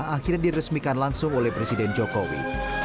akhirnya diresmikan langsung oleh presiden jokowi